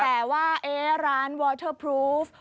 แต่ว่าร้านวอเทอร์พรูฟ